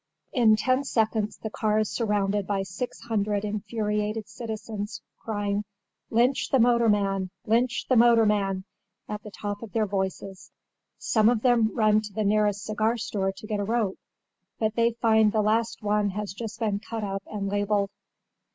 "In ten seconds the car is surrounded by 600 infuriated citizens, crying, 'Lynch the motorman! Lynch the motorman!' at the top of their voices. Some of them run to the nearest cigar store to get a rope; but they find the last one has just been cut up and labelled.